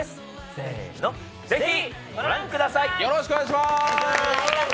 せーのぜひ、ご覧ください。